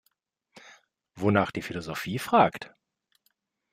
Wonach die Philosophie fragt.